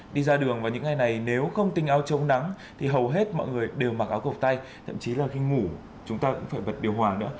đi ra đường vào những ngày này nếu không tinh áo chống nắng thì hầu hết mọi người đều mặc áo gộc tay thậm chí là khi ngủ chúng ta cũng phải bật điều hoàng nữa